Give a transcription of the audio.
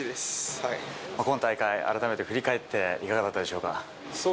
今大会、改めて振り返っていかがだったでしょうか。